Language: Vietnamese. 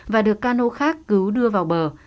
và được cano khác cứu đưa vào bờ